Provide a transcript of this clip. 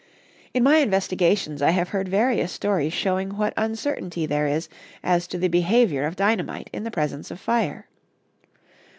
In my investigations I have heard various stories showing what uncertainty there is as to the behavior of dynamite in the presence of fire.